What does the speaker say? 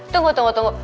tunggu tunggu tunggu